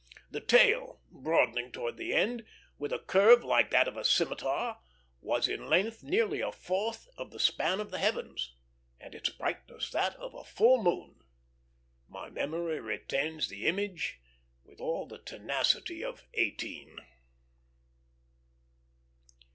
The tail, broadening towards the end, with a curve like that of a scimitar, was in length nearly a fourth of the span of the heavens, and its brightness that of a full moon. My memory retains the image with all the tenacity of eighteen.